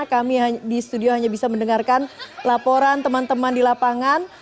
kami di studio hanya bisa mendengarkan laporan teman teman di lapangan